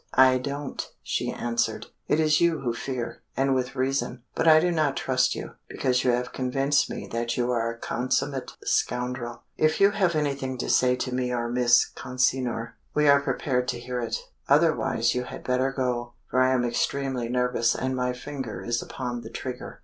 "I don't," she answered. "It is you who fear, and with reason. But I do not trust you, because you have convinced me that you are a consummate scoundrel. If you have anything to say to me or to Miss Consinor, we are prepared to hear it; otherwise you had better go, for I am extremely nervous and my finger is upon the trigger."